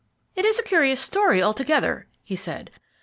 "It is a curious story altogether," he said.